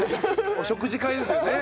お食事会ですよね。